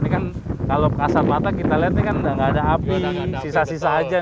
ini kan kalau kasar batak kita lihat ini kan sudah tidak ada api sisa sisa saja